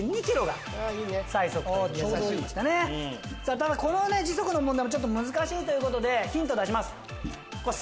ただこの時速の問題もちょっと難しいということで。